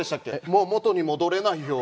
もうもとに戻れないよ